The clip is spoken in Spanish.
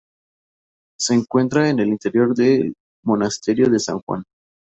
Se encuentra en el interior del monasterio de San Juan.